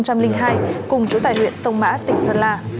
cùng trú tại huyện sông mã tỉnh sơn la